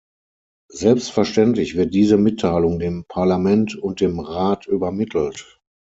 Selbstverständlich wird diese Mitteilung dem Parlament und dem Rat übermittelt.